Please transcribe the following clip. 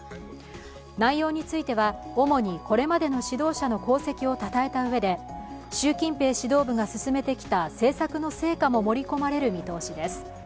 内容については、主にこれまでの指導者の功績をたたえたうえで習近平指導部が進めてきた政策の成果も盛り込まれる見通しです。